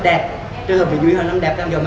tất cả sản phẩm của anh bán ra